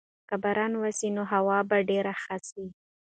که باران وسي نو هوا به ډېره ښه سي.